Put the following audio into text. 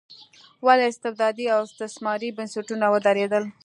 ولې استبدادي او استثماري بنسټونه ودرېدل.